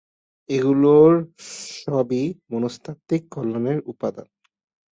এগুলোর সবই মনস্তাত্ত্বিক কল্যাণের উপাদান।